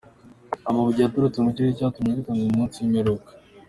Amabuye yaturutse mu kirere yatumye bikanga umunsi w’imperuka